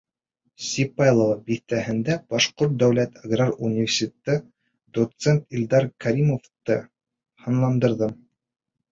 Сипайлово биҫтәһендә Башҡорт дәүләт аграр университеты доценты Илдар Кәримовты һынландырҙым.